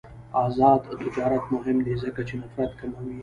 آزاد تجارت مهم دی ځکه چې نفرت کموي.